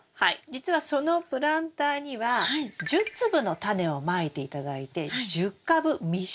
じつはそのプランターには１０粒のタネをまいて頂いて１０株密植して育てます。